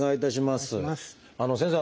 先生。